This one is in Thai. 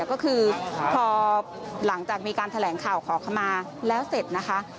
ก็คือพอหลังจากมีการแถลงข่าวขอขมาแล้วเสร็จนะคะ